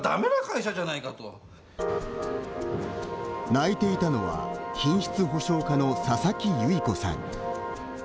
泣いていたのは品質保証課の佐々木結子さん。